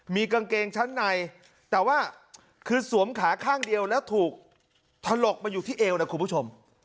มีกางเกงชั้นในแต่ว่าคือสวมขาข้างเดียวแล้วถูกถลกมาอยู่ที่เอวนะคุณผู้ชม